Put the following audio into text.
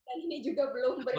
tadi ini juga belum berdengar